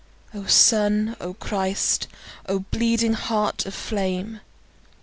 O Sun, O Christ, O bleeding Heart of flame!